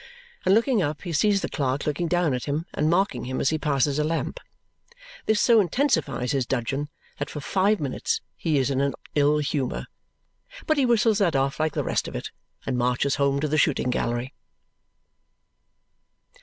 And looking up, he sees the clerk looking down at him and marking him as he passes a lamp. This so intensifies his dudgeon that for five minutes he is in an ill humour. But he whistles that off like the rest of it and marches home to the shooting gallery.